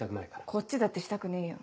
こっちだってしたくねえよ。